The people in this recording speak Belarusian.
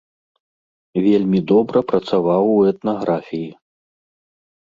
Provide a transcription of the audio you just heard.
Вельмі добра працаваў у этнаграфіі.